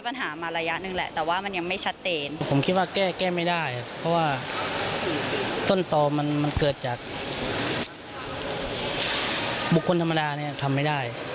ปฏิเสธไม่ได้ว่ายาเสพติด